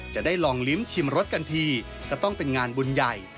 จะได้ลองลิ้มชิมรสกันทีจะต้องเป็นงานบุญใหญ่